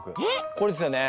これですよね？